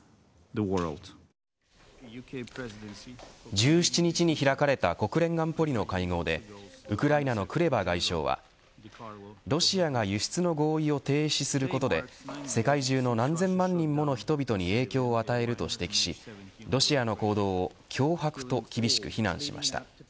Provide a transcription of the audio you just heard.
１７日に開かれた国連安保理の会合でウクライナのクレバ外相はロシアが輸出の合意を停止することで世界中の何千万人もの人々に影響を与えると指摘しロシアの行動を脅迫と厳しく非難しました。